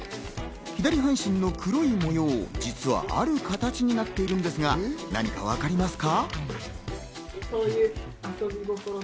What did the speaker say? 左半身の黒い模様が実はある形になっているんですが何かわかりますか？